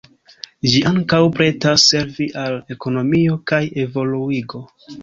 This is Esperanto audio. Ĝi ankaŭ pretas servi al ekonomio kaj evoluigo.